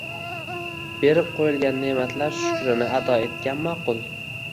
berib qo‘yilgan neʼmatlar shukrini ado etgan maʼqul.